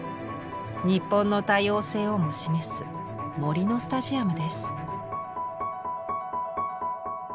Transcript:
日本の多様性をも示す杜のスタジアムです。